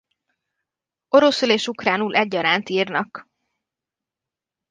Oroszul és ukránul egyaránt írnak.